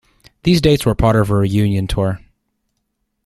These dates were part of a Reunion Tour.